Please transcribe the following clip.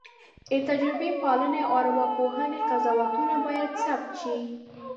د تجربه پالنې او ارواپوهنې قضاوتونه باید ثبت شي.